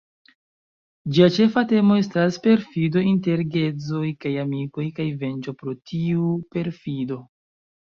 Ĝia ĉefa temo estas perfido inter geedzoj kaj amikoj kaj venĝo pro tiu perfido.